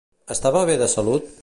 Estava bé de salut?